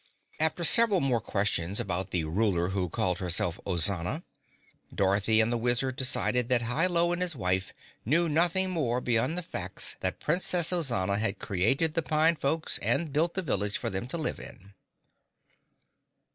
After several more questions about the ruler who called herself Ozana, Dorothy and the Wizard decided that Hi Lo and his wife knew nothing more beyond the facts that Princess Ozana had created the pine folks and built the village for them to live in.